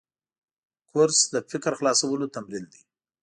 کورس د فکر خلاصولو تمرین دی.